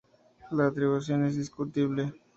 La atribución es discutible.